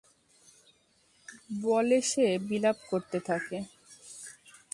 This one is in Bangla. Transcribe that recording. বলে সে বিলাপ করতে থাকে।